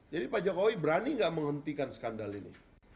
jadi pak jokowi berani nggak menghentikan skandal ini